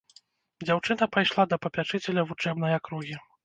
Дзяўчына пайшла да папячыцеля вучэбнай акругі.